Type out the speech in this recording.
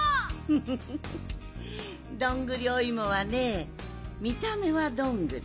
フフフどんぐりおいもはねみためはどんぐり。